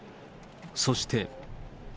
そして。